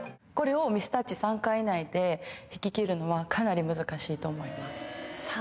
これをミスタッチ３回以内で弾き切るのはかなり難しいと思います